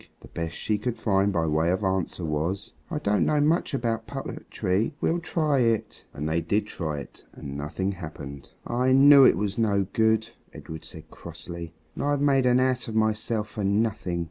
the best she could find by way of answer was, "I don't know much about poetry. We'll try it." And they did try it, and nothing happened. "I knew it was no good," Edred said crossly; "and I've made an ass of myself for nothing."